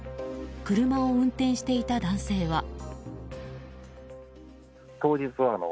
車を運転していた男性は。